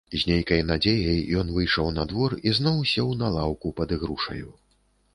З нейкай надзеяй ён выйшаў на двор і зноў сеў на лаўку пад ігрушаю.